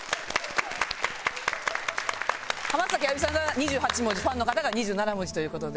浜崎あゆみさんが２８文字ファンの方が２７文字という事で。